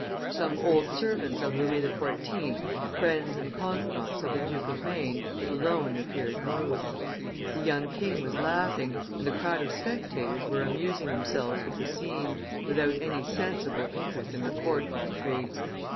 Some old servants of Louis XIV., friends and confidants of the Duke of Maine, alone appeared moved. The young king was laughing, and the crowd of spectators were amusing themselves with the scene, without any sensible interest in the court intrigues.